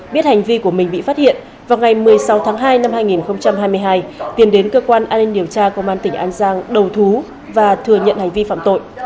biết hành vi của mình bị phát hiện vào ngày một mươi sáu tháng hai năm hai nghìn hai mươi hai tiền đến cơ quan an ninh điều tra công an tỉnh an giang đầu thú và thừa nhận hành vi phạm tội